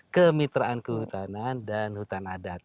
kemitraan kehutanan dan hutan adat